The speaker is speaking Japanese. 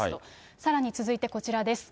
さらに続いてこちらです。